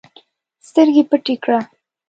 سترګي پټي کړه!